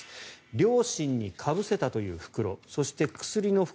両親にかぶせたという袋そして、薬の袋